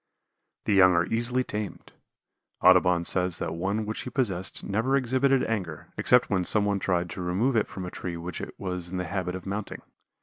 The young are easily tamed. Audubon says that one which he possessed never exhibited anger, except when some one tried to remove it from a tree which it was in the habit of mounting.